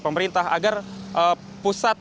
pemerintah agar pusat